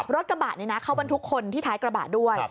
รถกระบะนี้นะเขาบรรทุกคนที่ท้ายกระบะด้วย